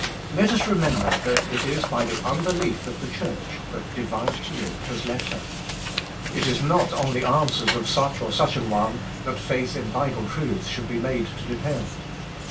Let us re member that it is by the unbelief of the Ohurfb that divine healing has left her. it is not on the answers of such or such an one that faith in Bible truths should be made to depend.